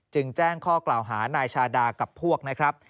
แจ้งข้อกล่าวหานายชาดากับพวกนะครับ